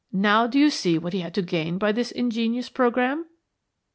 Now do you see what he had to gain by this ingenious programme?"